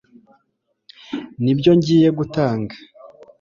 Nibyo ngiye gutanga